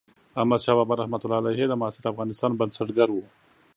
احمدشاه بابا رحمة الله علیه د معاصر افغانستان بنسټګر و.